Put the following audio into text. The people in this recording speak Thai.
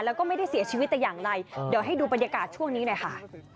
แล้วก็ไม่ได้เสียชีวิตแต่อย่างไรเดี๋ยวให้ดูบรรยากาศช่วงนี้หน่อยค่ะ